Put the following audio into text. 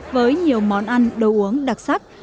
với nhiều món ăn đồ uống đặc sắc